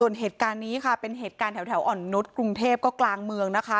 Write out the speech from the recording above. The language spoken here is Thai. ส่วนเหตุการณ์นี้ค่ะเป็นเหตุการณ์แถวอ่อนนุษย์กรุงเทพก็กลางเมืองนะคะ